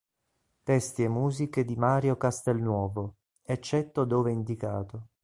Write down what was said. Testi e musiche di Mario Castelnuovo, eccetto dove indicato